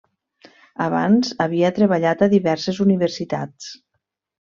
Abans havia treballat a diverses universitats: